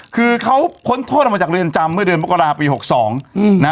คือเขาพ้นโทษมาจากเรียนจำเมื่อเดินประกอบราศาสตร์ปี๖๒